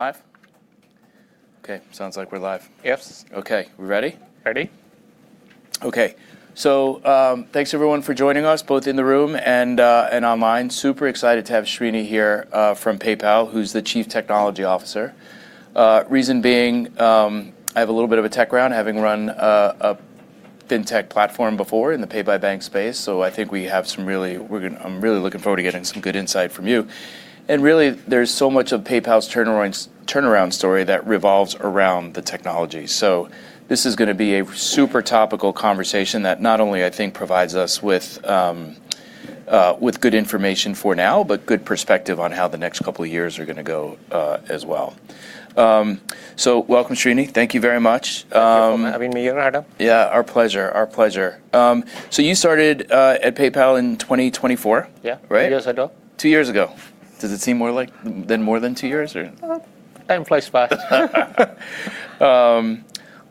Okay. Thanks everyone for joining us, both in the room and online. Super excited to have Srini here from PayPal, who's the Chief Technology Officer. Reason being, I have a little bit of a tech ground, having run a fintech platform before in the pay by bank space. I'm really looking forward to getting some good insight from you. Really, there's so much of PayPal's turnaround story that revolves around the technology. This is going to be a super topical conversation that not only I think provides us with good information for now, but good perspective on how the next couple of years are going to go, as well. Welcome, Srini. Thank you very much. Thank you for having me here, Adam. Yeah, our pleasure. You started at PayPal in 2024? Yeah. Right? Two years ago. Two years ago. Does it seem more like than more than two years or? Well, time flies by.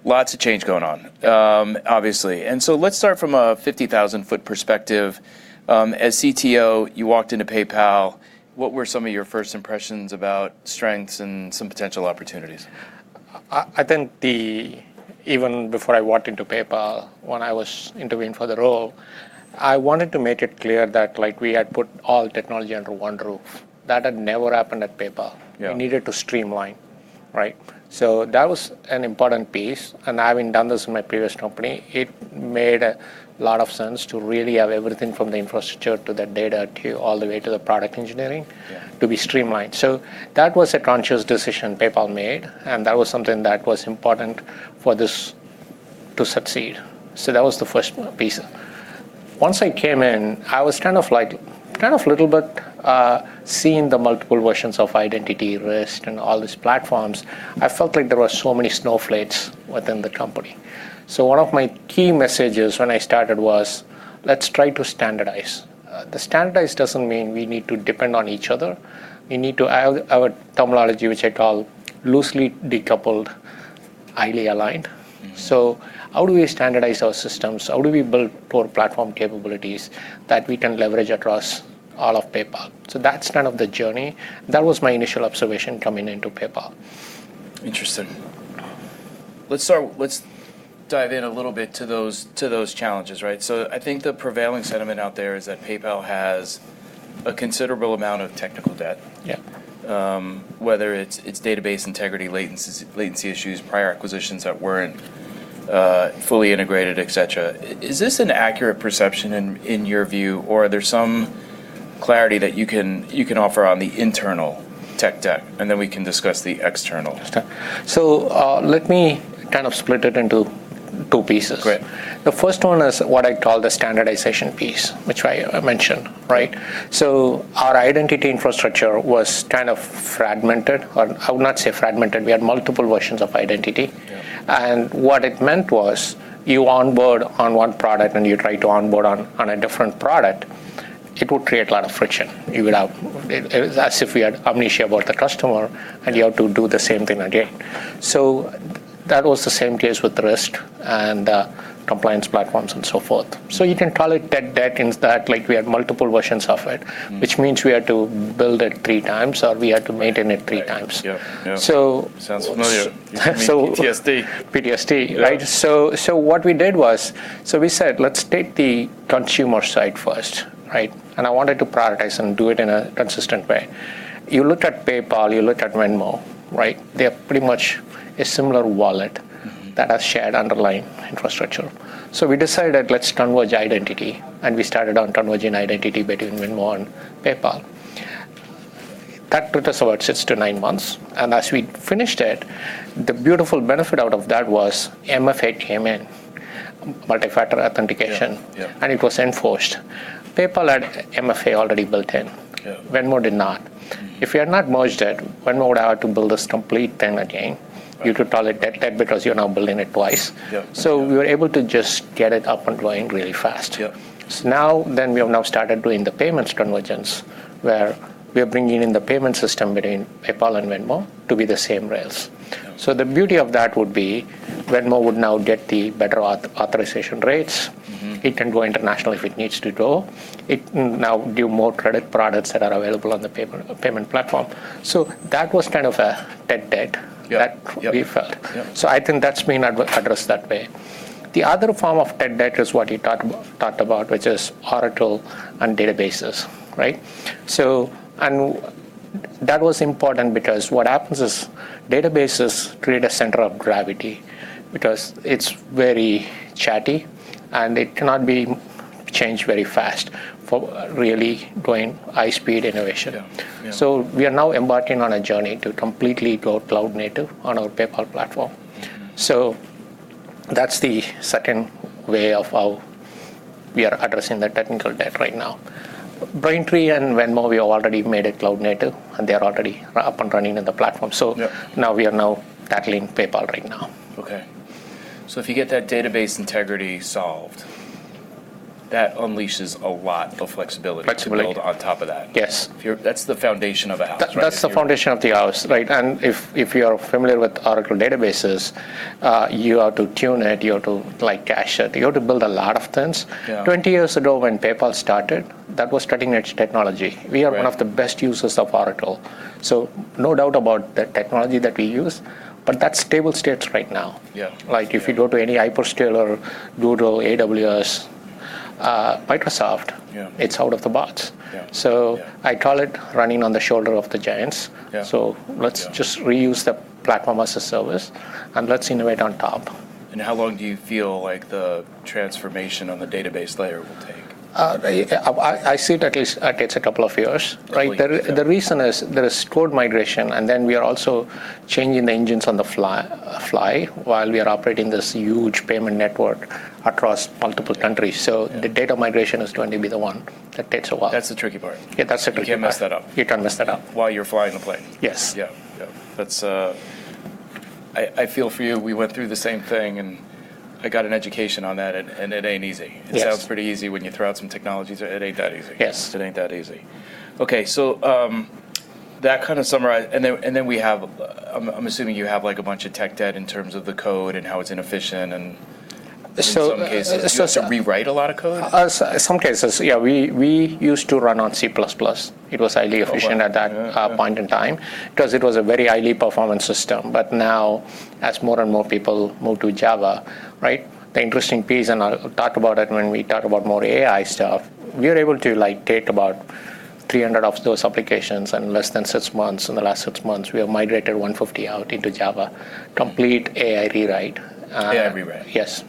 Lots of change going on. Yeah. Obviously. Let's start from a 50,000-ft perspective. As CTO, you walked into PayPal, what were some of your first impressions about strengths and some potential opportunities? I think even before I walked into PayPal, when I was interviewing for the role, I wanted to make it clear that we had put all technology under one roof. That had never happened at PayPal. Yeah. We needed to streamline. That was an important piece. Having done this in my previous company, it made a lot of sense to really have everything from the infrastructure to the data, to all the way to the product engineering- Yeah. To be streamlined. That was a conscious decision PayPal made, and that was something that was important for this to succeed. That was the first piece. Once I came in, I was kind of little bit seeing the multiple versions of identity, risk, and all these platforms. I felt like there were so many snowflakes within the company. One of my key messages when I started was, let's try to standardize. The standardize doesn't mean we need to depend on each other. We need to have our terminology, which I call loosely decoupled, highly aligned. How do we standardize our systems? How do we build core platform capabilities that we can leverage across all of PayPal? That's kind of the journey. That was my initial observation coming into PayPal. Interesting. Let's dive in a little bit to those challenges. I think the prevailing sentiment out there is that PayPal has a considerable amount of technical debt. Yeah. Whether it's database integrity, latency issues, prior acquisitions that weren't fully integrated, et cetera. Is this an accurate perception in your view, or are there some clarity that you can offer on the internal tech debt, and then we can discuss the external? Okay. Let me kind of split it into two pieces. Great. The first one is what I call the standardization piece, which I mentioned. Our identity infrastructure was kind of fragmented, or I would not say fragmented. We had multiple versions of identity. Yeah. What it meant was you onboard on one product and you try to onboard on a different product, it would create a lot of friction. As if we had amnesia about the customer. Yeah. You have to do the same thing again. That was the same case with risk and compliance platforms and so forth. You can call it tech debt in that we had multiple versions of it which means we had to build it three times, or we had to maintain it three times. Yeah. So- Sounds familiar. So- PTSD. PTSD, right. Yeah. What we did was, we said, let's take the consumer side first. I wanted to prioritize and do it in a consistent way. You look at PayPal, you look at Venmo. They have pretty much a similar wallet that have shared underlying infrastructure. We decided let's converge identity, and we started on converging identity between Venmo and PayPal. That took us about six to nine months. As we finished it, the beautiful benefit out of that was MFA came in, multi-factor authentication. Yeah. It was enforced. PayPal had MFA already built in. Yeah. Venmo did not. If we had not merged it, Venmo would have to build this complete thing again. Right. You could call it tech debt because you're now building it twice. Yeah. We were able to just get it up and going really fast. Yeah. We have now started doing the payments convergence, where we are bringing in the payment system between PayPal and Venmo to be the same rails. Yeah. The beauty of that would be Venmo would now get the better authorization rates. It can go international if it needs to go. It now give more credit products that are available on the payment platform. That was kind of a tech debt- Yeah. That we felt. Yeah. I think that's been addressed that way. The other form of tech debt is what you talked about, which is Oracle and databases. That was important because what happens is databases create a center of gravity because it's very chatty, and it cannot be changed very fast for really going high speed innovation. Yeah. We are now embarking on a journey to completely go cloud native on our PayPal platform. That's the second way of how we are addressing the technical debt right now. Braintree and Venmo, we have already made it cloud native, and they're already up and running in the platform. Yeah. Now we are now tackling PayPal right now. Okay. If you get that database integrity solved. That unleashes a lot of flexibility- Flexibility. To build on top of that. Yes. That's the foundation of a house, right? That's the foundation of the house. Right. If you're familiar with Oracle databases, you have to tune it, you have to cache it. You have to build a lot of things. Yeah. 20 years ago when PayPal started, that was cutting-edge technology. Right. We are one of the best users of Oracle, so no doubt about the technology that we use, but that's table stakes right now. Yeah. If you go to any hyperscaler Google, AWS, Microsoft. Yeah. It's out of the box. Yeah. I call it running on the shoulder of the giants. Yeah. Let's just reuse the platform as a service and let's innovate on top. How long do you feel like the transformation on the database layer will take? I see it takes a couple of years. Right. Okay. Yeah. The reason is there is code migration, and then we are also changing the engines on the fly while we are operating this huge payment network across multiple countries. The data migration is going to be the one that takes a while. That's the tricky part. Yeah, that's the tricky part. You can't mess that up. You can't mess that up. While you're flying the plane. Yes. Yeah. I feel for you. We went through the same thing, and I got an education on that, and it ain't easy. Yes. It sounds pretty easy when you throw out some technologies. It ain't that easy. Yes. It ain't that easy. Okay. I'm assuming you have a bunch of tech debt in terms of the code and how it's inefficient. So- In some cases, do you have to rewrite a lot of code? Some cases, yeah. We used to run on C++. It was highly efficient at that point in time because it was a very highly performant system. Now, as more and more people move to Java, right, the interesting piece, and I'll talk about it when we talk about more AI stuff, we are able to take about 300 of those applications in less than six months. In the last six months, we have migrated 150 out into Java, complete AI rewrite. AI rewrite. Yes.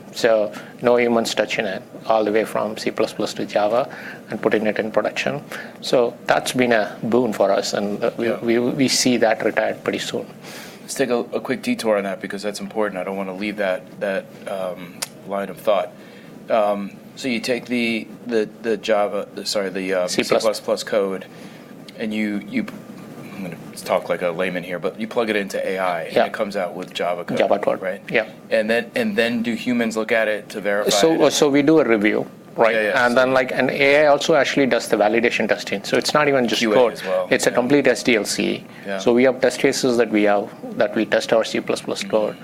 No humans touching it, all the way from C++ to Java and putting it in production. That's been a boon for us. Yeah. We see that retired pretty soon. Let's take a quick detour on that because that's important. I don't want to leave that line of thought. You take the C++ code, and you, I'm going to talk like a layman here, but you plug it into AI- Yeah. It comes out with Java code. Java code. Right? Yeah. Do humans look at it to verify it? We do a review, right. Yeah, yeah. AI also actually does the validation testing. It's not even just code. QA as well. It's a complete SDLC. Yeah. We have test cases that we test our C++ code.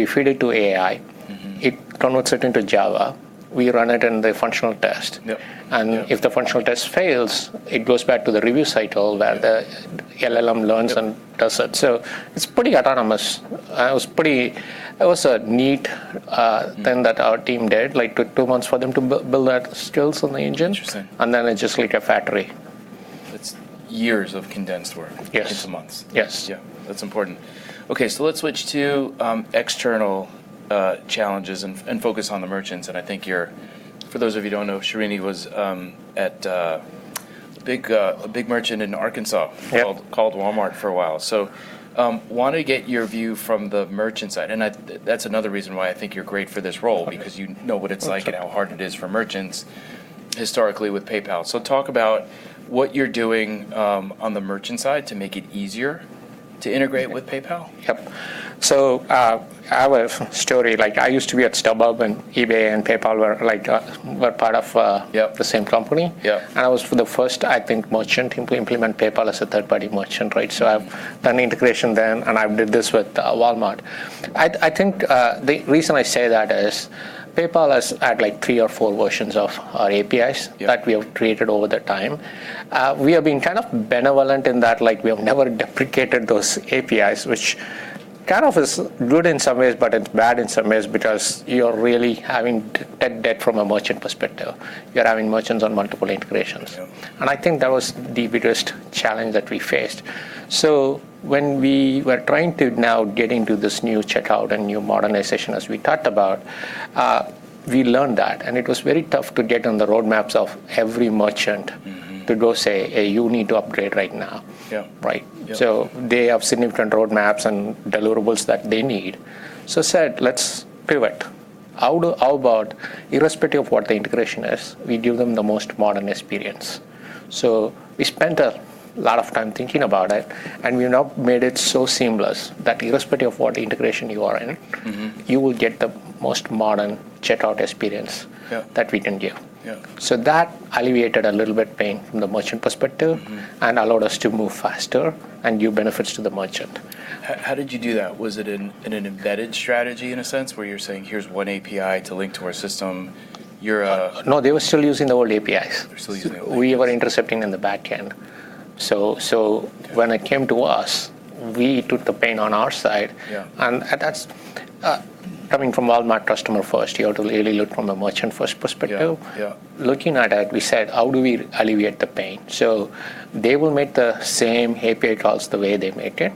We feed it to AI. It converts it into Java. We run it in the functional test. Yeah. If the functional test fails, it goes back to the review cycle where the LLM learns and does it. It's pretty autonomous. It was a neat thing that our team did. It took two months for them to build that skills on the engine. Interesting. It's just like a factory. It's years of condensed work- Yes. Into months. Yes. Yeah. That's important. Okay, let's switch to external challenges and focus on the merchants. I think for those of you who don't know, Srini was at a big merchant in Arkansas- Yeah. Called Walmart for a while. I want to get your view from the merchant side, and that's another reason why I think you're great for this role, because you know what it's like and how hard it is for merchants historically with PayPal. Talk about what you're doing on the merchant side to make it easier to integrate with PayPal. Yep. Our story, I used to be at Starbucks when eBay and PayPal were part of- Yeah. The same company. Yeah. I was the first, I think, merchant to implement PayPal as a third-party merchant, right? I've done the integration then, and I did this with Walmart. I think the reason I say that is PayPal has had three or four versions of our APIs. Yeah. That we have created over the time. We have been kind of benevolent in that we have never deprecated those APIs, which kind of is good in some ways, but it's bad in some ways because you're really having tech debt from a merchant perspective. You're having merchants on multiple integrations. Yeah. I think that was the biggest challenge that we faced. When we were trying to now get into this new checkout and new modernization, as we talked about, we learned that, and it was very tough to get on the roadmaps of every merchant to go say, "Hey, you need to upgrade right now." Yeah. Right? Yeah. They have significant roadmaps and deliverables that they need. I said let's pivot. How about irrespective of what the integration is, we give them the most modern experience? We spent a lot of time thinking about it, and we now made it so seamless that irrespective of what integration you are. You will get the most modern checkout experience- Yeah. That we can give. Yeah. That alleviated a little bit pain from the merchant perspective allowed us to move faster and give benefits to the merchant. How did you do that? Was it in an embedded strategy in a sense, where you're saying, "Here's one API to link to our system." No, they were still using the old APIs. They're still using the old APIs. We were intercepting in the back end. When it came to us, we took the pain on our side. Yeah. That's coming from Walmart customer first, you have to really look from a merchant first perspective. Yeah. Looking at it, we said, "How do we alleviate the pain?" They will make the same API calls the way they make it,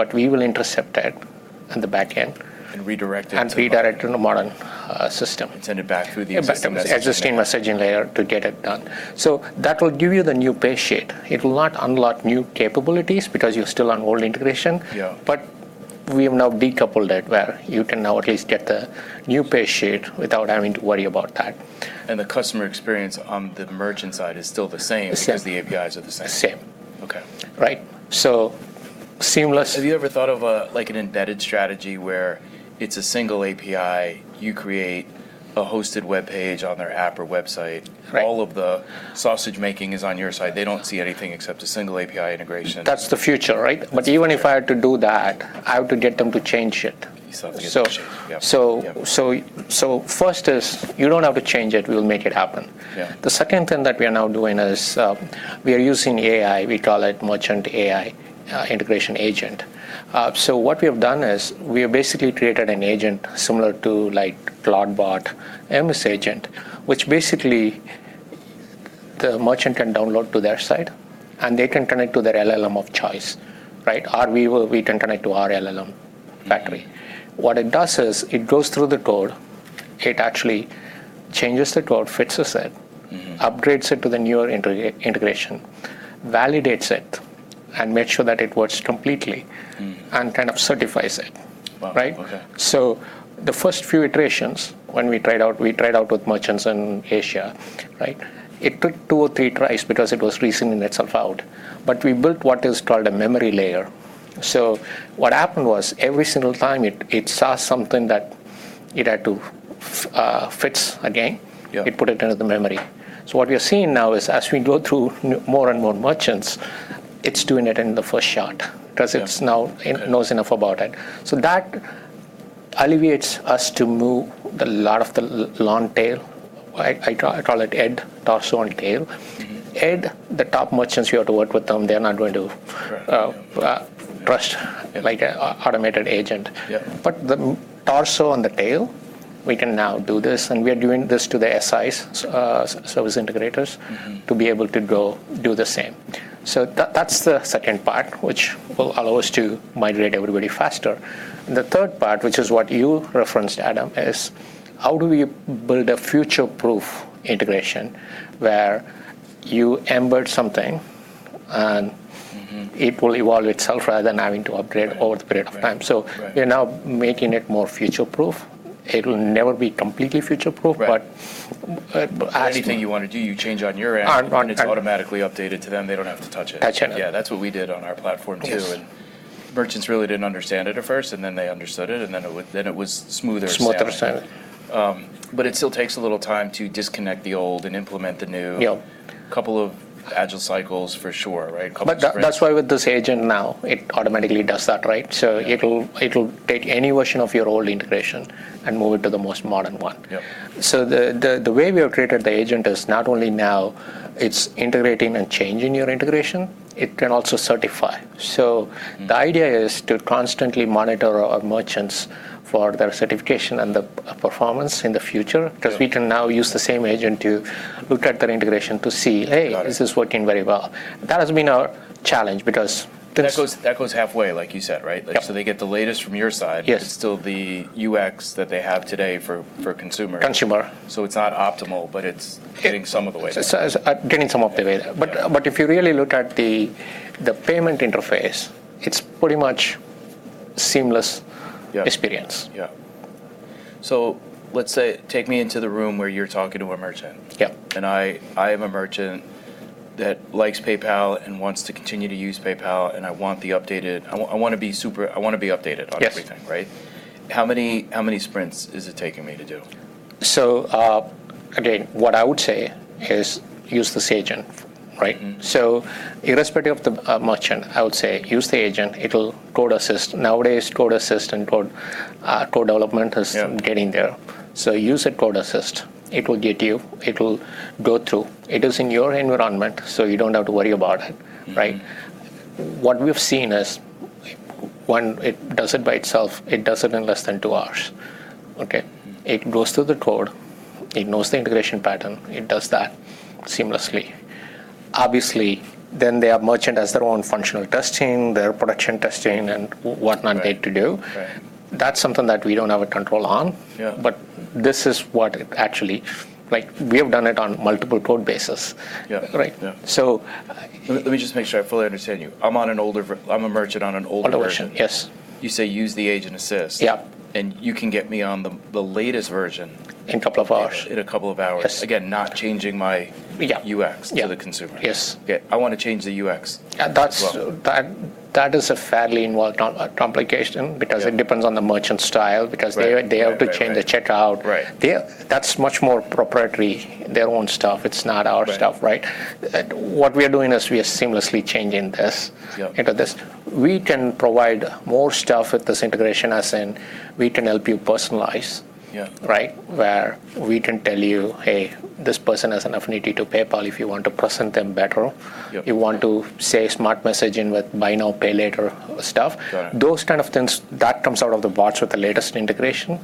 but we will intercept it in the back end. Redirect it to the modern. Redirect to the modern system. Send it back through the existing messaging layer. Existing messaging layer to get it done. That will give you the new paysheet. It will not unlock new capabilities because you're still on old integration. Yeah. We have now decoupled it where you can now at least get the new paysheet without having to worry about that. The customer experience on the merchant side is still the same- The same. Because the APIs are the same. The same. Okay. Right. Seamless- Have you ever thought of an embedded strategy where it's a single API, you create a hosted webpage on their app or website? Right. All of the sausage making is on your side. They don't see anything except a single API integration. That's the future, right? Even if I had to do that, I have to get them to change it. You still have to get them to change. Yep. First is you don't have to change it, we'll make it happen. Yeah. The second thing that we are now doing is, we are using AI, we call it Merchant AI Integration Agent. What we have done is, we have basically created an agent similar to Claude MCP agent, which basically, the merchant can download to their site, and they can connect to their LLM of choice. Right? We can connect to our LLM factory. What it does is, it goes through the code, it actually changes the code, fixes it, upgrades it to the newer integration, validates it, and makes sure that it works completely. Certifies it. Wow. Okay. The first few iterations, when we tried out, we tried out with merchants in Asia. It took two or three tries because it was reasoning itself out. We built what is called a memory layer. What happened was, every single time it saw something that it had to fix again- Yeah. It put it into the memory. What we are seeing now is, as we go through more and more merchants, it's doing it in the first shot- Yeah. Because it now knows enough about it. That alleviates us to move a lot of the long tail. I call it head, torso, and tail. Head, the top merchants, you have to work with them. They're not going to- Correct. Trust an automated agent. Yeah. The torso and the tail, we can now do this, and we are doing this to the SI, service integrators, to be able to go do the same. That, that's the second part, which will allow us to migrate everybody faster. The third part, which is what you referenced, Adam, is how do we build a future-proof integration where you embed something, and it will evolve itself rather than having to upgrade over a period of time. Right. We are now making it more future-proof. It will never be completely future-proof. Right. But as- Anything you want to do, you change on your end. On our end. It's automatically updated to them. They don't have to touch it. At all. Yeah, that's what we did on our platform, too. Yes. Merchants really didn't understand it at first, and then they understood it, and then it was smoother sailing. Smoother sailing. It still takes a little time to disconnect the old and implement the new. Yep. Couple of agile cycles for sure, right? Couple of sprints. That's why with this agent now, it automatically does that, right? Yeah. It'll take any version of your old integration and move it to the most modern one. Yep. The way we have created the agent is not only now it's integrating and changing your integration, it can also certify. The idea is to constantly monitor our merchants for their certification and the performance in the future. Yeah. We can now use the same agent to look at their integration to see- Got it. This is working very well. That has been our challenge because. That goes halfway, like you said, right? Yeah. They get the latest from your side. Yes. It's still the UX that they have today for consumers. Consumer. It's not optimal, but it's getting some of the way there. Getting some of the way there. If you really look at the payment interface, it's pretty much seamless- Yeah. Experience. Yeah. Let's say, take me into the room where you're talking to a merchant. Yeah. I am a merchant that likes PayPal and wants to continue to use PayPal, and I want to be updated- Yes. On everything, right? How many sprints is it taking me to do? Again, what I would say is use this agent. Right? Irrespective of the merchant, I would say use the agent. It'll code assist. Nowadays, code assist and code development- Yeah. Getting there. Use the code assist. It'll go through. It is in your environment, so you don't have to worry about it. Right? What we've seen is when it does it by itself, it does it in less than two hours. Okay? It goes through the code, it knows the integration pattern, it does that seamlessly. Obviously, the merchant has their own functional testing, their production testing, and whatnot they need to do. Right. That's something that we don't have a control on. Yeah. We have done it on multiple code bases. Yeah. Right. Yeah. So- Let me just make sure I fully understand you. I'm a merchant on an older version. Older version. Yes. You say use the agent assist. Yep. You can get me on the latest version. In couple of hours. in a couple of hours. Yes. Again, not changing my- Yeah. UX to the consumer. Yes. Okay. I want to change the UX as well. That is a fairly involved complication because it depends on the merchant's style, because they have to change the checkout. Right. That's much more proprietary, their own stuff. It's not our stuff. Right. What we are doing is we are seamlessly changing this- Yep. Into this. We can provide more stuff with this integration, as in we can help you personalize. Yeah. Right? Where we can tell you, "Hey, this person has an affinity to PayPal if you want to present them better. Yep. You want to say smart messaging with buy now, pay later stuff. Got it. Those kind of things, that comes out of the box with the latest integration.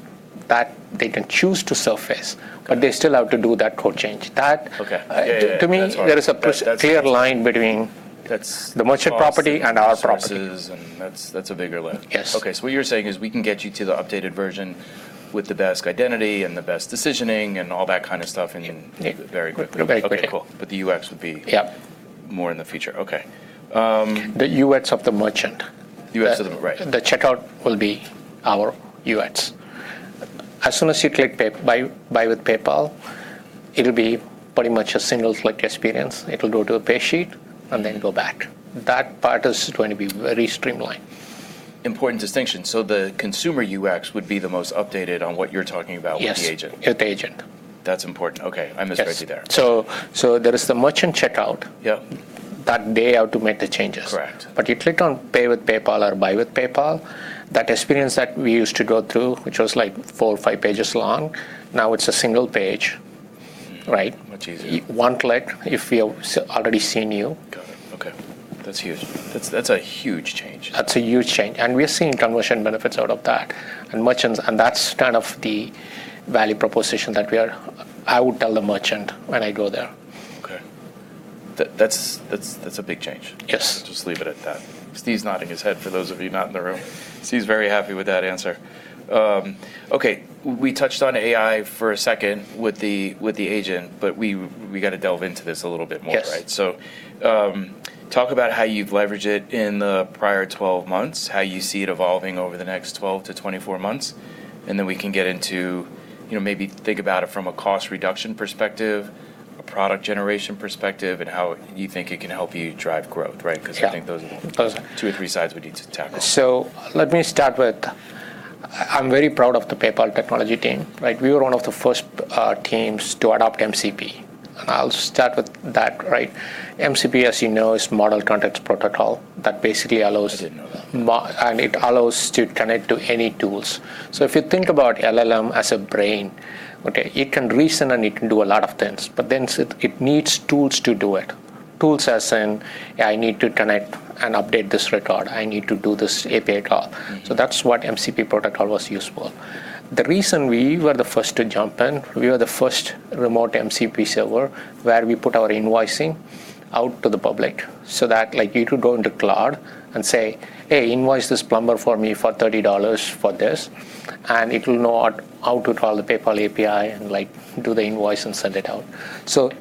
They can choose to surface. Okay. They still have to do that code change. Okay. Yeah. That's right. To me, there is a clear line between the merchant property and our property. Resources, and that's a bigger lift. Yes. Okay, what you're saying is we can get you to the updated version with the best identity and the best decisioning and all that kind of stuff in very quickly. Very quickly. Okay, cool. The UX would be- Yep. More in the future. Okay. The UX of the merchant. UX of the right. The checkout will be our UX. As soon as you click Buy with PayPal, it'll be pretty much a single-click experience. It'll go to a paysheet and then go back. That part is going to be very streamlined. Important distinction. The consumer UX would be the most updated on what you're talking about- Yes. With the agent. With the agent. That's important. Okay. Yes. I misunderstood there. There is the merchant checkout. Yep. That they have to make the changes. Correct. You click on Pay with PayPal or Buy with PayPal, that experience that we used to go through, which was four or five pages long, now it's a single page. Right? Much easier. One click, if we have already seen you. Got it. Okay. That's huge. That's a huge change. That's a huge change. We are seeing conversion benefits out of that. That's kind of the value proposition that I would tell the merchant when I go there. Okay. That's a big change. Yes. Just leave it at that. Steve's nodding his head for those of you not in the room. Steve's very happy with that answer. Okay. We touched on AI for a second with the agent, we got to delve into this a little bit more, right? Yes. Talk about how you've leveraged it in the prior 12 months, how you see it evolving over the next 12-24 months, and then we can get into, maybe think about it from a cost reduction perspective, a product generation perspective, and how you think it can help you drive growth, right? Yeah. I think those are two or three sides we need to tackle. Let me start with, I'm very proud of the PayPal technology team. We were one of the first teams to adopt MCP, and I'll start with that, right. MCP, as you know, is Model Context Protocol that basically allows. I didn't know that. It allows to connect to any tools. If you think about LLM as a brain, okay, it can reason, and it can do a lot of things. It needs tools to do it. Tools as in, "I need to connect and update this record. I need to do this API call. That's what MCP protocol was used for. The reason we were the first to jump in, we were the first remote MCP server where we put our invoicing out to the public, so that you could go into Claude and say, "Hey, invoice this plumber for me for $30 for this," and it will know how to call the PayPal API and do the invoice and send it out.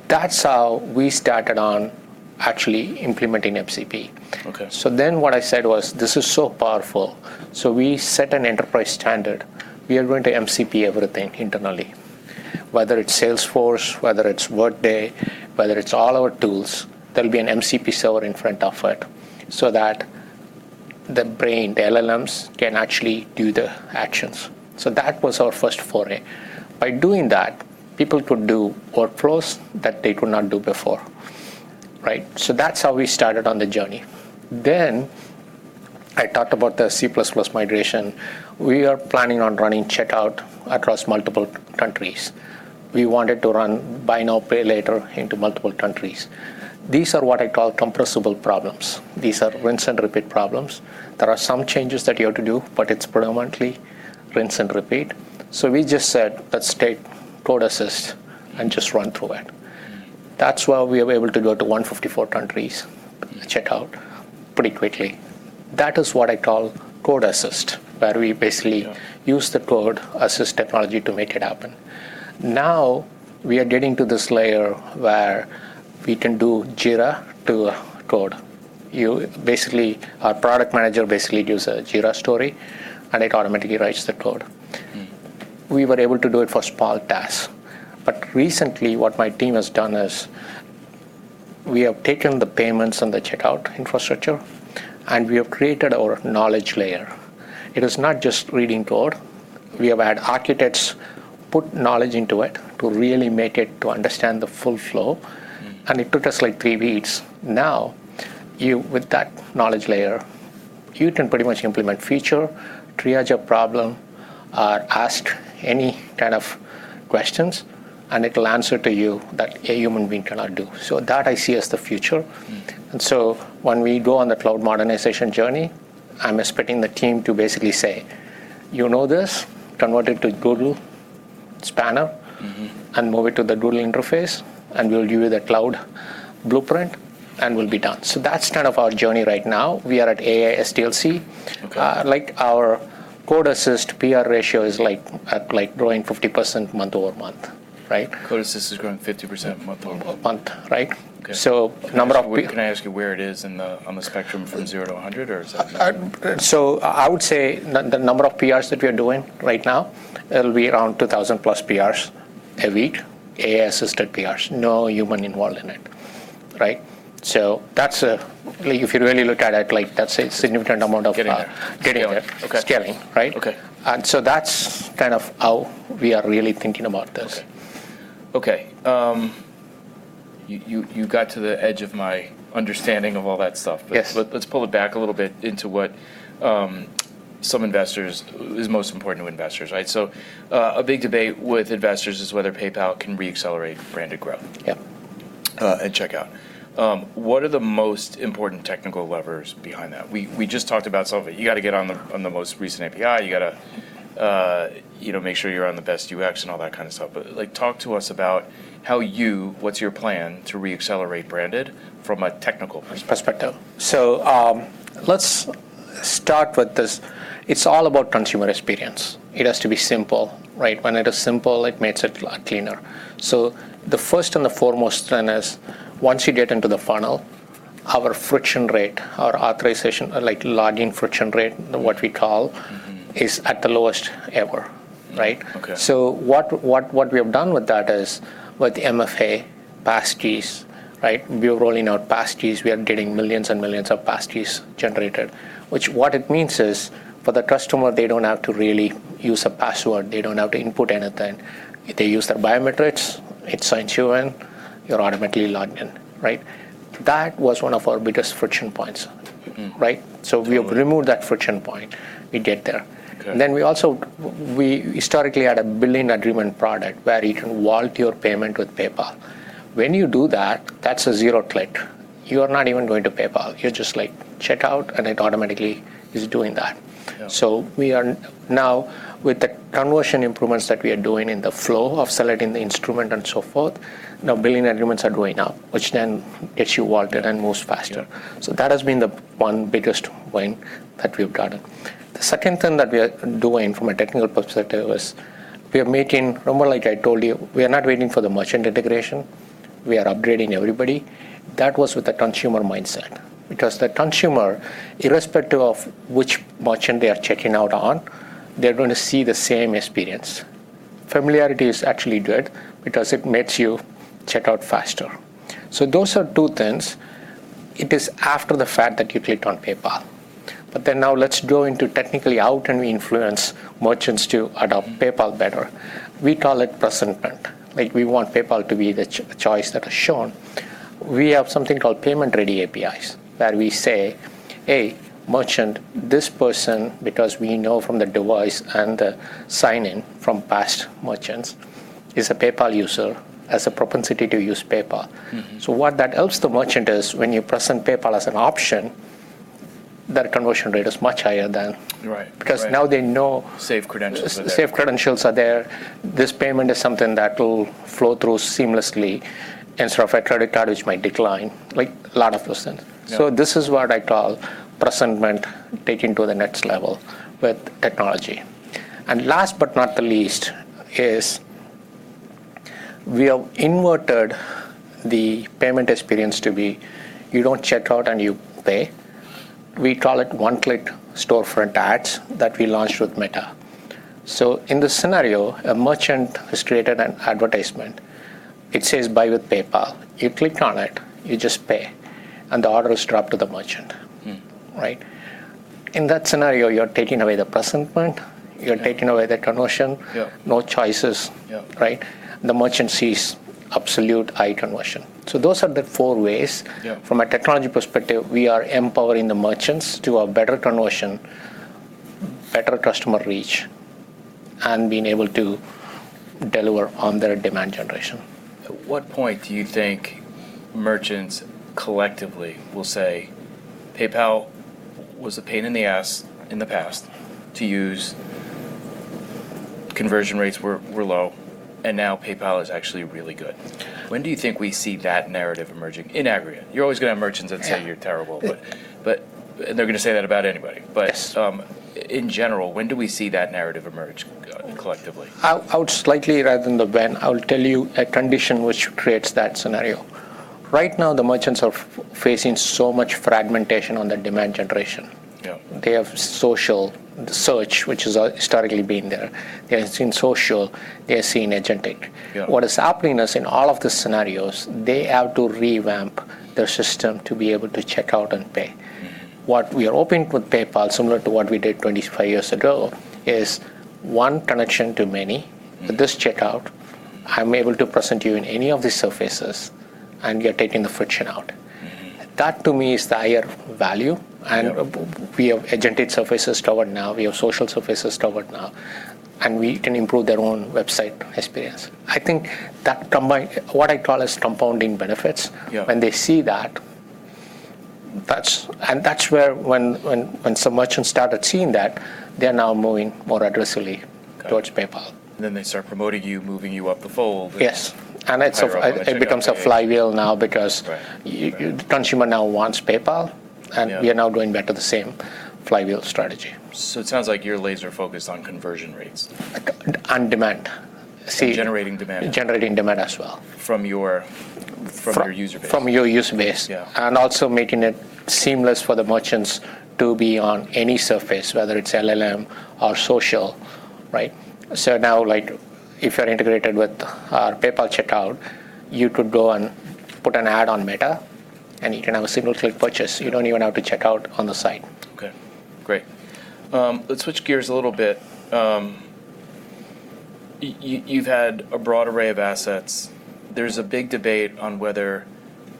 That's how we started on actually implementing MCP. Okay. What I said was, "This is so powerful." We set an enterprise standard. We are going to MCP everything internally, whether it's Salesforce, whether it's Workday, whether it's all our tools, there'll be an MCP server in front of it, so that the brain, the LLMs, can actually do the actions. That was our first foray. By doing that, people could do workflows that they could not do before. Right? That's how we started on the journey. I talked about the C++ migration. We are planning on running checkout across multiple countries. We wanted to run buy now, pay later into multiple countries. These are what I call compressible problems. These are rinse and repeat problems. There are some changes that you have to do, but it's predominantly rinse and repeat. We just said, "Let's take code assist and just run through it." That's why we were able to go to 154 countries checkout pretty quickly. That is what I call code assist, where we- Yeah. Use the code assist technology to make it happen. We are getting to this layer where we can do Jira to code. Our product manager basically gives a Jira story, it automatically writes the code. We were able to do it for small tasks. Recently, what my team has done is, we have taken the payments and the checkout infrastructure, and we have created our knowledge layer. It is not just reading code. We have had architects put knowledge into it to really make it to understand the full flow. It took us, like, three weeks. With that knowledge layer, you can pretty much implement feature, triage a problem, ask any kind of questions, and it'll answer to you that a human being cannot do. That I see as the future. When we go on the cloud modernization journey, I'm expecting the team to basically say, "You know this, convert it to Google Spanner. Move it to the Google interface, and we'll give you the cloud blueprint, and we'll be done." That's kind of our journey right now. We are at AI SDLC. Okay. Like our code assist PR ratio is growing 50% month-over-month. Right? Code assist is growing 50% month-over-month. Month. Right. Okay. So number of- Can I ask you where it is on the spectrum from zero to 100? I would say the number of PRs that we are doing right now, it'll be around 2,000+ PRs a week, AI assisted PRs. No human involved in it. Right. If you really look at it- Getting there. Getting there. Okay. Scaling, right? Okay. That's kind of how we are really thinking about this. Okay. Okay. You got to the edge of my understanding of all that stuff. Yes. Let's pull it back a little bit into what is most important to investors, right? A big debate with investors is whether PayPal can re-accelerate branded growth- Yeah. At checkout. What are the most important technical levers behind that? We just talked about some of it. You got to get on the most recent API. You got to make sure you're on the best UX and all that kind of stuff. Talk to us about what's your plan to re-accelerate branded from a technical perspective. Perspective. Let's start with this. It's all about consumer experience. It has to be simple, right? When it is simple, it makes it a lot cleaner. The first and the foremost is once you get into the funnel. Our friction rate, our authorization, login friction rate is at the lowest ever. Okay. What we have done with that is, with MFA passkeys. We are rolling out passkeys. We are getting millions and millions of passkeys generated. What it means is, for the customer, they don't have to really use a password. They don't have to input anything. They use their biometrics. It signs you in, you're automatically logged in. That was one of our biggest friction points. We have removed that friction point. We get there. Okay. We historically had a billing agreement product where you can wallet your payment with PayPal. When you do that's a zero click. You are not even going to PayPal. You just check out, it automatically is doing that. Yeah. We are now with the conversion improvements that we are doing in the flow of selecting the instrument and so forth, now billing agreements are going up, which then gets you wallet and moves faster. Yeah. That has been the one biggest win that we've gotten. The second thing that we are doing from a technical perspective is, remember like I told you, we are not waiting for the merchant integration. We are upgrading everybody. That was with the consumer mindset, because the consumer, irrespective of which merchant they are checking out on, they're going to see the same experience. Familiarity is actually good because it makes you check out faster. Those are two things. It is after the fact that you clicked on PayPal. Now let's go into technically how can we influence merchants to adopt PayPal better. We call it presentment. We want PayPal to be the choice that is shown. We have something called Payment Ready APIs, where we say, "Hey, merchant, this person," because we know from the device and the sign-in from past merchants, is a PayPal user, has a propensity to use PayPal. What that helps the merchant is when you present PayPal as an option, that conversion rate is much higher than- Right. Because now they know- Safe credentials are there. Safe credentials are there. This payment is something that will flow through seamlessly instead of a credit card, which might decline, like a lot of percent. Yeah. This is what I call presentment taken to the next level with technology. Last but not the least is we have inverted the payment experience to be, you don't check out and you pay. We call it one-click storefront ads that we launched with Meta. In this scenario, a merchant has created an advertisement. It says buy with PayPal. You click on it, you just pay, and the order is dropped to the merchant. Right? In that scenario, you're taking away the presentment. You're taking away the conversion. Yeah. No choices. Yeah. The merchant sees absolute high conversion. Those are the four ways. Yeah. From a technology perspective, we are empowering the merchants to have better conversion, better customer reach, and being able to deliver on their demand generation. At what point do you think merchants collectively will say, PayPal was a pain in the ass in the past to use. Conversion rates were low, and now PayPal is actually really good. When do you think we see that narrative emerging in aggregate? You're always going to have merchants that say you're terrible- Yeah. They're going to say that about anybody. Yes. In general, when do we see that narrative emerge collectively? I would slightly rather than the when, I'll tell you a condition which creates that scenario. Right now, the merchants are facing so much fragmentation on the demand generation. Yeah. They have social search, which has historically been there. They are seeing social. They're seeing agentic. Yeah. What is happening is in all of the scenarios, they have to revamp their system to be able to check out and pay. What we are hoping with PayPal, similar to what we did 25 years ago, is one connection to many. With this checkout, I'm able to present you in any of these surfaces, and we are taking the friction out. That to me is the higher value, and we have agentic surfaces covered now. We have social surfaces covered now, and we can improve their own website experience. I think that combined, what I call is compounding benefits. Yeah. When they see that, and that's where when some merchants started seeing that, they're now moving more aggressively towards PayPal. They start promoting you, moving you up the fold. Yes. Higher commission. It becomes a flywheel now because- Right. Consumer now wants PayPal, and we are now going back to the same flywheel strategy. It sounds like you're laser focused on conversion rates. On demand. Generating demand. Generating demand as well. From your user base. From your user base. Yeah. Also making it seamless for the merchants to be on any surface, whether it's LLM or social. Now if you're integrated with our PayPal checkout, you could go and put an ad on Meta, and you can have a single click purchase. You don't even have to check out on the site. Okay, great. Let's switch gears a little bit. You've had a broad array of assets. There's a big debate on whether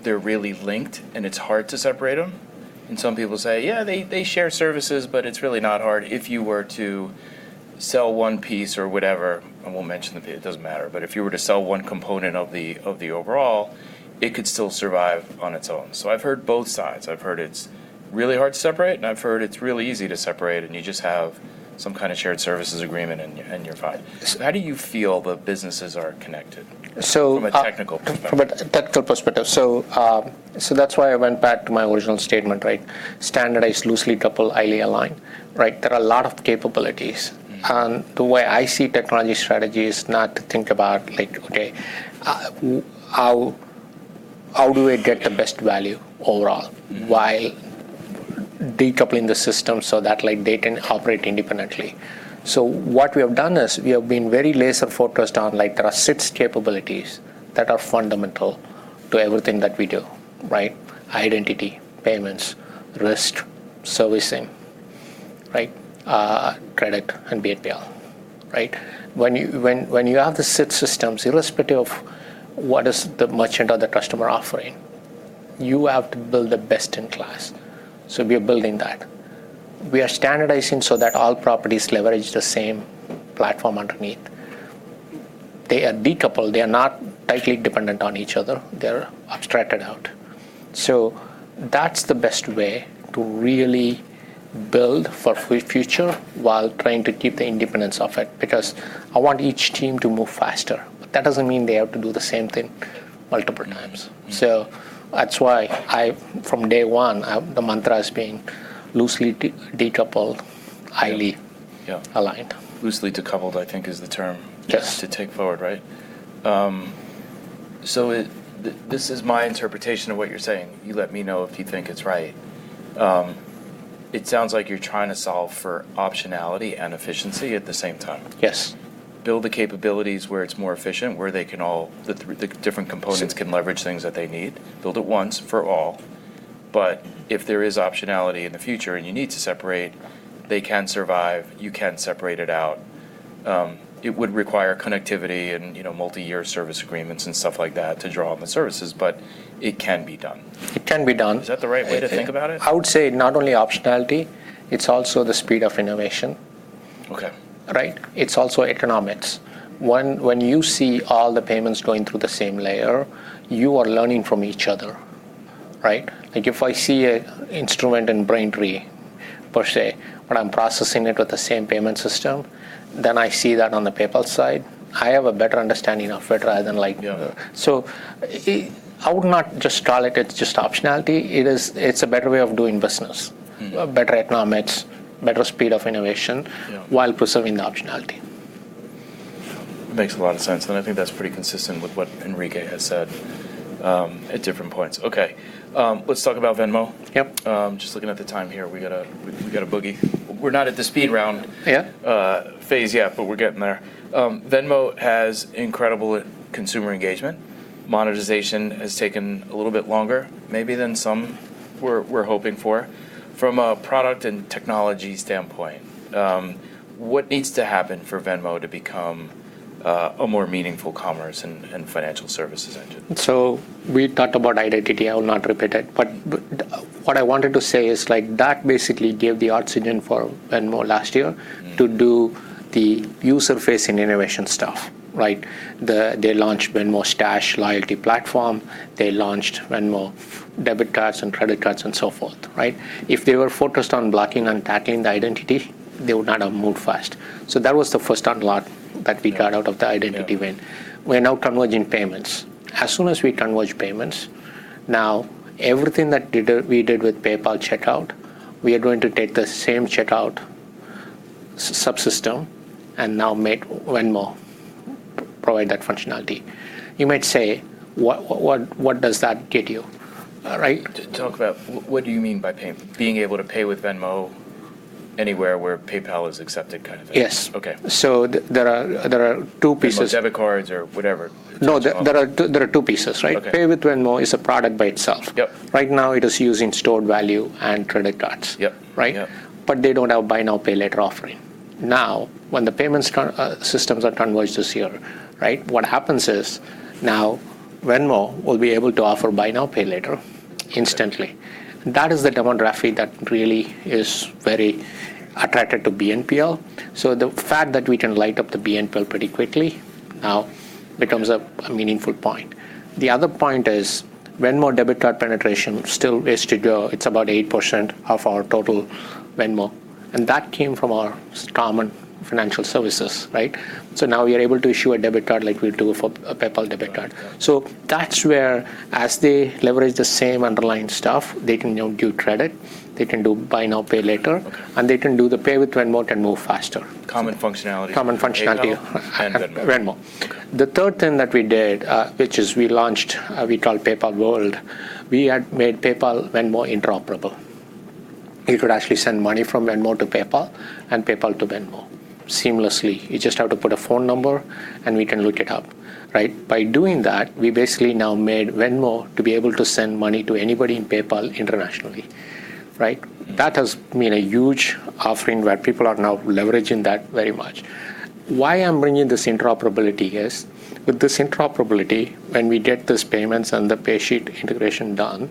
they're really linked, and it's hard to separate them, and some people say, "Yeah, they share services, but it's really not hard." If you were to sell one piece or whatever, I won't mention the P, it doesn't matter, but if you were to sell one component of the overall, it could still survive on its own. I've heard both sides. I've heard it's really hard to separate, and I've heard it's really easy to separate, and you just have some kind of shared services agreement, and you're fine. How do you feel the businesses are connected? So- From a technical perspective. From a technical perspective. That's why I went back to my original statement. Standardized, loosely coupled, highly aligned. There are a lot of capabilities. The way I see technology strategy is not to think about, okay, How do we get the best value overall while decoupling the system so that they can operate independently? What we have done is we have been very laser-focused on, there are six capabilities that are fundamental to everything that we do. Identity, payments, risk, servicing, credit, and BNPL. When you have the six systems, irrespective of what is the merchant or the customer offering, you have to build the best in class. We are building that. We are standardizing so that all properties leverage the same platform underneath. They are decoupled. They are not tightly dependent on each other. They're abstracted out. That's the best way to really build for future while trying to keep the independence of it, because I want each team to move faster. That doesn't mean they have to do the same thing multiple times. That's why from day one, the mantra has been loosely decoupled, highly aligned. Loosely decoupled, I think, is the term- Yes. To take forward, right? This is my interpretation of what you're saying. You let me know if you think it's right. It sounds like you're trying to solve for optionality and efficiency at the same time. Yes. Build the capabilities where it's more efficient, where the different components can leverage things that they need, build it once for all. If there is optionality in the future and you need to separate, they can survive. You can separate it out. It would require connectivity and multi-year service agreements and stuff like that to draw on the services, but it can be done. It can be done. Is that the right way to think about it? I would say not only optionality, it's also the speed of innovation. Okay. It's also economics. When you see all the payments going through the same layer, you are learning from each other. Like if I see an instrument in Braintree per se, when I'm processing it with the same payment system, then I see that on the PayPal side, I have a better understanding of it. Yeah. I would not just call it's just optionality. It's a better way of doing business. Better economics, better speed of innovation- Yeah. While preserving the optionality. Makes a lot of sense, and I think that's pretty consistent with what Enrique has said at different points. Okay. Let's talk about Venmo. Yep. Just looking at the time here. We got to boogie. We're not at the speed round- Yeah. Phase yet, but we're getting there. Venmo has incredible consumer engagement. Monetization has taken a little bit longer maybe than some were hoping for. From a product and technology standpoint, what needs to happen for Venmo to become a more meaningful commerce and financial services engine? We talked about identity. I will not repeat it, but what I wanted to say is that basically gave the oxygen for Venmo last year to do the user-facing innovation stuff. They launched Venmo Stash loyalty platform. They launched Venmo debit cards and credit cards and so forth. If they were focused on blocking and tackling the identity, they would not have moved fast. That was the first unlock that we got out of the identity win. We're now converging payments. As soon as we converge payments, now everything that we did with PayPal checkout, we are going to take the same checkout subsystem and now make Venmo provide that functionality. You might say, what does that get you? Talk about what do you mean by being able to pay with Venmo anywhere where PayPal is accepted? Yes. Okay. There are two pieces. Venmo debit cards or whatever. No, there are two pieces. Okay. Pay with Venmo is a product by itself. Yep. Right now it is using stored value and credit cards. Yep. They don't have buy now, pay later offering. When the payment systems are converged this year, what happens is now Venmo will be able to offer buy now, pay later instantly. That is the demographic that really is very attracted to BNPL. The fact that we can light up the BNPL pretty quickly now becomes a meaningful point. The other point is Venmo debit card penetration still is to go. It's about 8% of our total Venmo, and that came from our common financial services. Now we are able to issue a debit card like we do for a PayPal debit card. Right. That's where, as they leverage the same underlying stuff, they can now do credit, they can do buy now, pay later. Okay. They can do the pay with Venmo can move faster. Common functionality. Common functionality. PayPal and Venmo. Venmo. Okay. The third thing that we did, which is we launched, we call PayPal World. We had made PayPal Venmo interoperable. You could actually send money from Venmo to PayPal and PayPal to Venmo seamlessly. You just have to put a phone number and we can look it up. By doing that, we basically now made Venmo to be able to send money to anybody in PayPal internationally. That has been a huge offering where people are now leveraging that very much. Why I'm bringing this interoperability is, with this interoperability, when we get these payments and the paysheet integration done,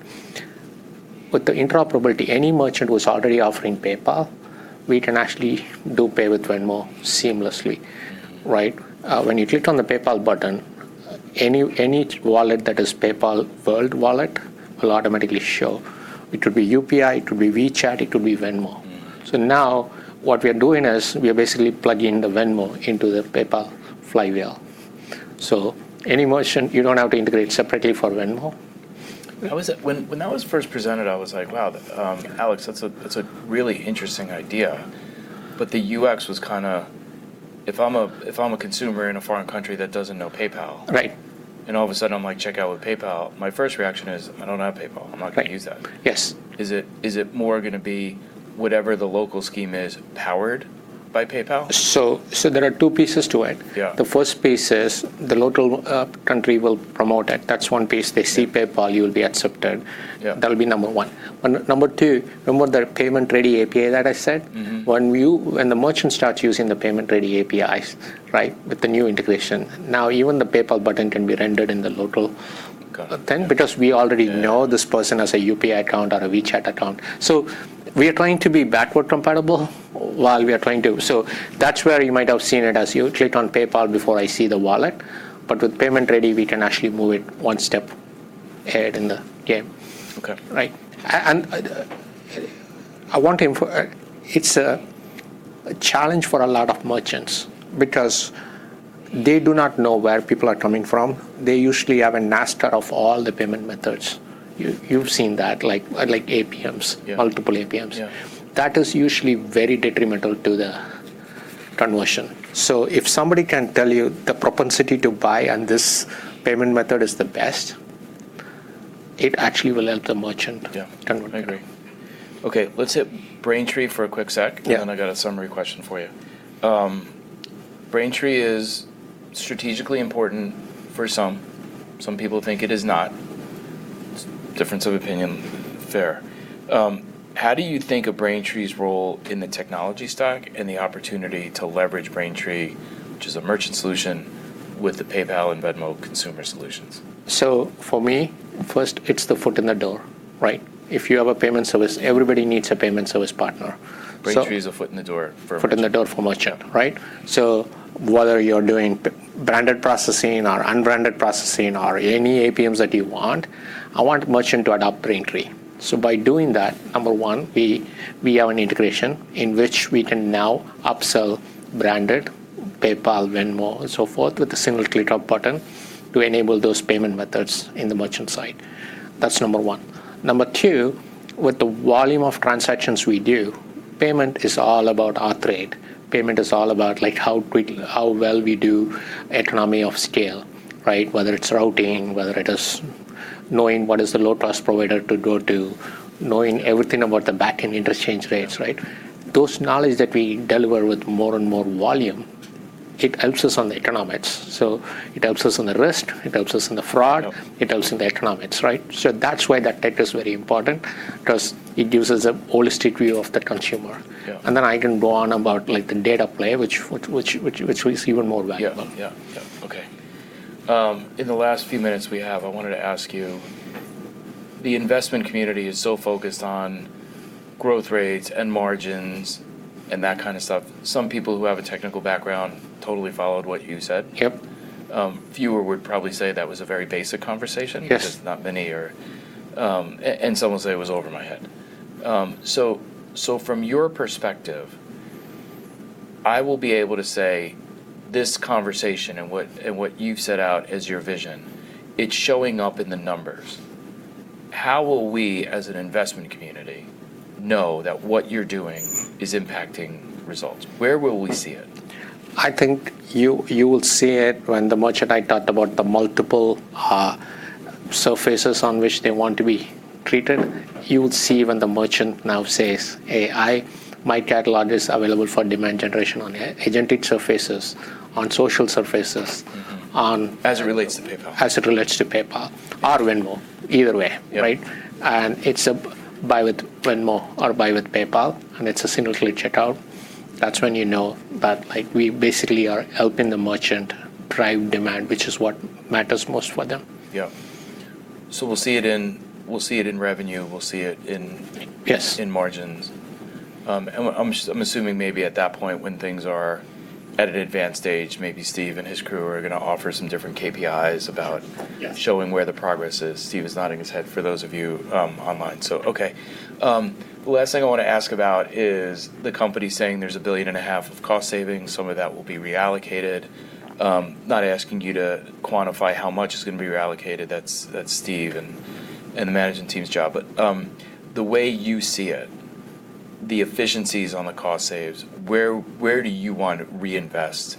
with the interoperability, any merchant who's already offering PayPal, we can actually do pay with Venmo seamlessly. When you click on the PayPal button, any wallet that is PayPal World Wallet will automatically show. It could be UPI, it could be WeChat, it could be Venmo. Now what we are doing is we are basically plugging the Venmo into the PayPal flywheel. Any merchant, you don't have to integrate separately for Venmo. When that was first presented, I was like, "Wow, Alex, that's a really interesting idea." If I'm a consumer in a foreign country that doesn't know PayPal. Right. All of a sudden I'm like, "Check out with PayPal," my first reaction is, "I don't have PayPal. I'm not going to use that. Yes. Is it more going to be whatever the local scheme is powered by PayPal? There are two pieces to it. Yeah. The first piece is the local country will promote it. That's one piece. They see PayPal, you will be accepted. Yeah. That'll be number one. Number two, remember that Payment Ready API that I said? When the merchant starts using the Payment Ready APIs, right, with the new integration, now even the PayPal button can be rendered in the local- Got it. Because we already know this person has a UPI account or a WeChat account. We are trying to be backward compatible while we are trying to. That's where you might have seen it as you clicked on PayPal before I see the wallet, but with Agent Ready, we can actually move it one step ahead in the game. Okay. Right. It's a challenge for a lot of merchants because they do not know where people are coming from. They usually have a roster of all the payment methods. You've seen that, like APMs. Yeah. Multiple APMs. Yeah. That is usually very detrimental to the conversion. If somebody can tell you the propensity to buy on this payment method is the best, it actually will help the merchant- Yeah Convert. I agree. Okay, let's hit Braintree for a quick sec. Yeah. I got a summary question for you. Braintree is strategically important for some. Some people think it is not. Difference of opinion, fair. How do you think of Braintree's role in the technology stack and the opportunity to leverage Braintree, which is a merchant solution, with the PayPal and Venmo consumer solutions? For me, first it's the foot in the door, right? If you have a payment service, everybody needs a payment service partner. Braintree is a foot in the door for a merchant. Foot in the door for merchant, right. Whether you're doing branded processing or unbranded processing or any APMs that you want, I want merchant to adopt Braintree. By doing that, number one, we have an integration in which we can now upsell branded PayPal, Venmo, and so forth, with a single click of button to enable those payment methods in the merchant side. That's number one. Number two, with the volume of transactions we do, payment is all about arbitrage. Payment is all about how well we do economy of scale, right. Whether it's routing, whether it is knowing what is the low-cost provider to go to, knowing everything about the backend interchange rates, right. Those knowledge that we deliver with more and more volume, it helps us on the economics. It helps us on the economics. It helps us on the risk, it helps us on the fraud- Yeah. It helps in the economics, right? That's why that tech is very important, because it gives us a holistic view of the consumer. Yeah. I can go on about the data play, which is even more valuable. Yeah. Okay. In the last few minutes we have, I wanted to ask you, the investment community is so focused on growth rates and margins and that kind of stuff. Some people who have a technical background totally followed what you said. Yep. Fewer would probably say that was a very basic conversation. Yes. Some will say, "It was over my head." From your perspective, I will be able to say this conversation and what you've set out as your vision, it's showing up in the numbers. How will we, as an investment community, know that what you're doing is impacting results? Where will we see it? I think you will see it when the merchant I talked about, the multiple surfaces on which they want to be treated. You would see when the merchant now says, "Hey, my catalog is available for demand generation on agentic surfaces, on social surfaces. As it relates to PayPal. As it relates to PayPal or Venmo, either way. Yeah. Right? It's a buy with Venmo or buy with PayPal, and it's a single click checkout. That's when you know that we basically are helping the merchant drive demand, which is what matters most for them. Yeah. We'll see it in revenue, we'll see it- Yes. In margins. I'm assuming maybe at that point when things are at an advanced stage, maybe Steve and his crew are going to offer some different KPIs about showing where the progress is. Steve is nodding his head for those of you online. Okay. Last thing I want to ask about is the company saying there's $1.5 billion of cost savings, some of that will be reallocated. Not asking you to quantify how much is going to be reallocated. That's Steve and the management team's job. The way you see it, the efficiencies on the cost saves, where do you want to reinvest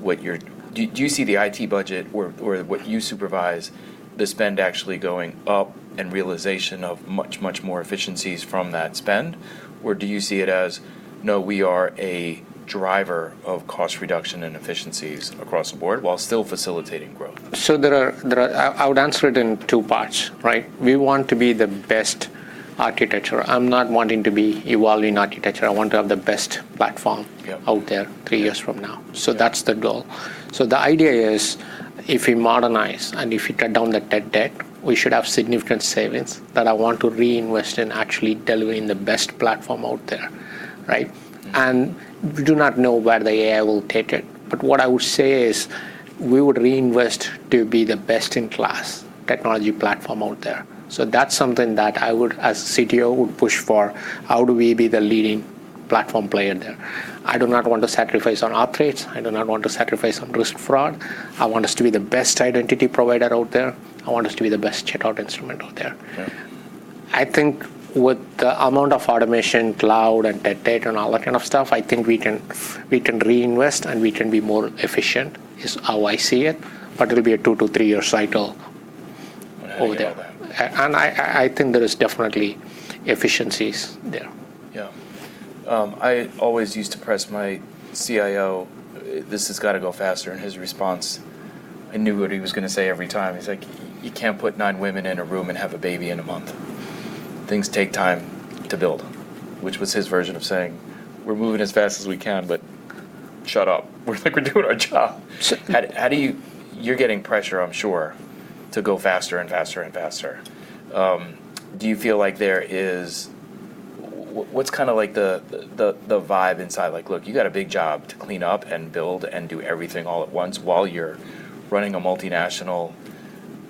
what you're Do you see the IT budget or what you supervise, the spend actually going up and realization of much, much more efficiencies from that spend? Or do you see it as, no, we are a driver of cost reduction and efficiencies across the board while still facilitating growth? I would answer it in two parts. Right? We want to be the best architecture. I'm not wanting to be evolving architecture. I want to have the best platform- Yeah. Out there three years from now. Yeah. That's the goal. The idea is if we modernize and if we cut down the tech debt, we should have significant savings that I want to reinvest in actually delivering the best platform out there. Right? We do not know where the AI will take it, but what I would say is we would reinvest to be the best-in-class technology platform out there. That's something that I would, as CTO, would push for. How do we be the leading platform player there? I do not want to sacrifice on our trades. I do not want to sacrifice on risk fraud. I want us to be the best identity provider out there. I want us to be the best checkout instrument out there. Yeah. I think with the amount of automation, cloud, and that data and all that kind of stuff, I think we can reinvest and we can be more efficient, is how I see it. It'll be a two to three-year cycle over there. I hear that. I think there is definitely efficiencies there. Yeah. I always used to press my CIO, "This has got to go faster." His response, I knew what he was going to say every time. He's like, "You can't put nine women in a room and have a baby in a month. Things take time to build." Which was his version of saying, "We're moving as fast as we can, but shut up. We're doing our job." You're getting pressure, I'm sure, to go faster and faster and faster. What's the vibe inside like? Look, you've got a big job to clean up and build and do everything all at once while you're running a multinational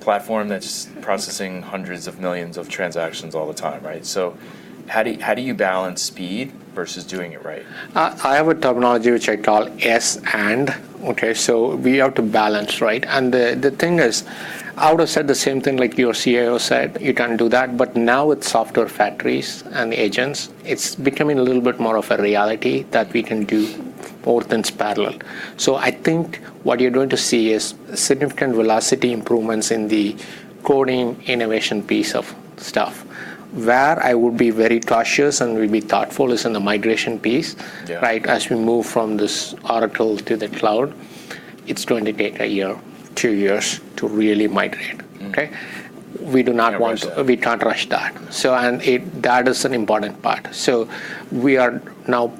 platform that's processing hundreds of millions of transactions all the time. How do you balance speed versus doing it right? I have a terminology which I call Yes, and. We have to balance. The thing is, I would've said the same thing like your CIO said, you can't do that. Now with software factories and agents, it's becoming a little bit more of a reality that we can do more things parallel. I think what you're going to see is significant velocity improvements in the coding innovation piece of stuff. Where I would be very cautious and will be thoughtful is in the migration piece. Yeah. As we move from this Oracle to the cloud, it's going to take a year, two years to really migrate. Okay? I understand. We can't rush that. That is an important part. We are now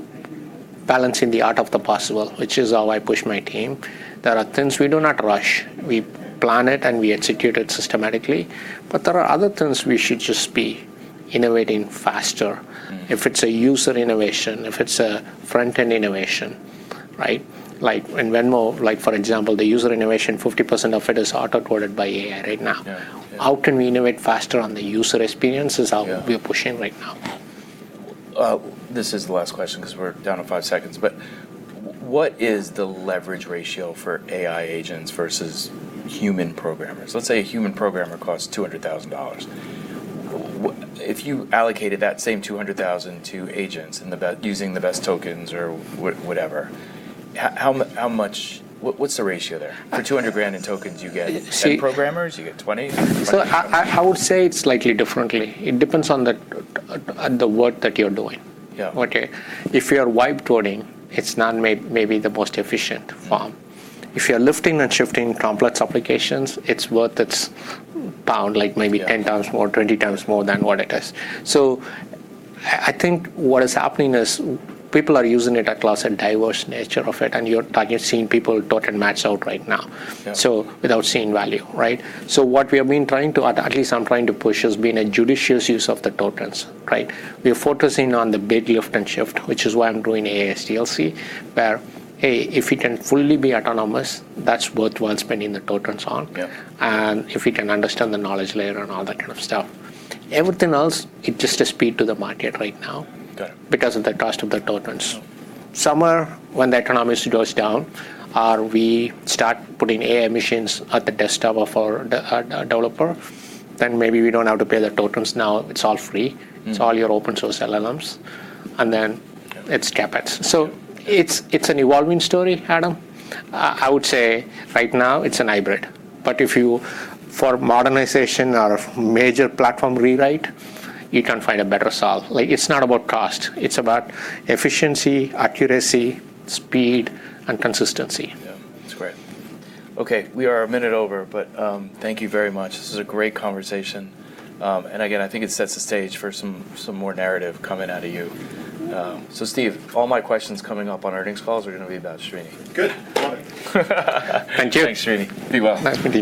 balancing the art of the possible, which is how I push my team. There are things we do not rush. We plan it, and we execute it systematically. There are other things we should just be innovating faster. If it's a user innovation, if it's a front-end innovation. In Venmo, for example, the user innovation, 50% of it is auto-coded by AI right now. Yeah. How can we innovate faster on the user experience is how we are pushing right now. This is the last question because we're down to five seconds, what is the leverage ratio for AI agents versus human programmers? Let's say a human programmer costs $200,000. If you allocated that same $200,000 to agents using the best tokens or whatever, what's the ratio there? For $200,000 in tokens, you get 10 programmers? You get 20? I would say it's slightly differently. It depends on the work that you're doing. Yeah. If you're wipe coding, it's not maybe the most efficient form. If you're lifting and shifting complex applications, it's worth its pound, like maybe 10 times more, 20 times more than what it is. I think what is happening is people are using it across a diverse nature of it, and you're seeing people token max out right now. Yeah. Without seeing value. What we have been trying to, or at least I'm trying to push, is being a judicious use of the tokens. We are focusing on the big lift and shift, which is why I'm doing AI-DLC, where, A, if we can fully be autonomous, that's worthwhile spending the tokens on. Yeah. If we can understand the knowledge layer and all that kind of stuff. Everything else, it's just a speed to the market right now- Got it. Because of the cost of the tokens. Somewhere, when the economics goes down, or we start putting AI machines at the desktop of our developer, maybe we don't have to pay the tokens now. It's all free. It's all your open source LLMs, then it's CapEx. It's an evolving story, Adam. I would say right now it's a hybrid. For modernization or major platform rewrite, you can find a better solve. It's not about cost. It's about efficiency, accuracy, speed, and consistency. Yeah. That's great. Okay. We are a minute over, thank you very much. This was a great conversation. Again, I think it sets the stage for some more narrative coming out of you. Steve, all my questions coming up on earnings calls are going to be about Srini. Good. Love it. Thank you. Thanks, Srini. Be well. Nice to meet you.